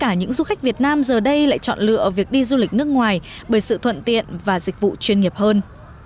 tất cả những du khách việt nam giờ đây lại chọn lựa việc đi du lịch nước ngoài bởi sự thuận tiện và dịch vụ chuyên nghiệp hơn